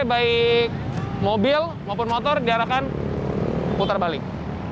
baik mobil maupun motor diarahkan putar balik